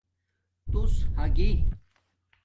تُݸس ھاگی